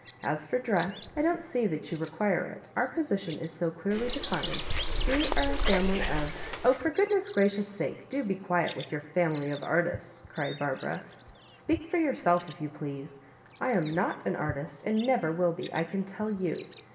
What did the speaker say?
As for dress, I don't see that you require it ; our position is so clearly defined ; we are a family of "" Oh, for goodness gracious sake, do be quiet with your femily of artists," cried Barbara. Speak for yourself if you please. I am not an artist, and never will be, I can tell you.